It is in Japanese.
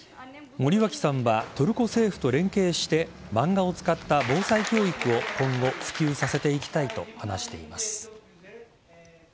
森脇さんはトルコ政府と連携して漫画を使った防災教育を今後、普及させていきたいと話しています。